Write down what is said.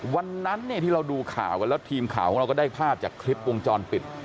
วันนั้นเนี่ยที่เราดูข่าวกันแล้วทีมข่าวของเราก็ได้ภาพจากคลิปวงจรปิด